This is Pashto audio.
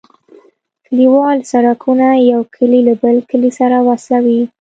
کليوالي سرکونه یو کلی له بل کلي سره وصلوي